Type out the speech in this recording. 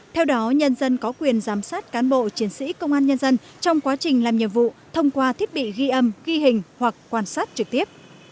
theo đó nhân dân có quyền giám sát cán bộ chiến sĩ công an nhân dân trong quá trình làm nhiệm vụ thông qua thiết bị ghi âm ghi hình hoặc quan sát trực tiếp